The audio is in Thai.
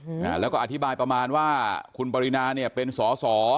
อ่าแล้วก็อธิบายประมาณว่าคุณปรินาเนี่ยเป็นสอสอ